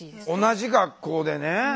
同じ学校でね